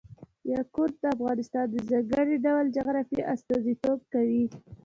یاقوت د افغانستان د ځانګړي ډول جغرافیه استازیتوب کوي.